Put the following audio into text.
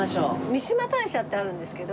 三嶋大社ってあるんですけど。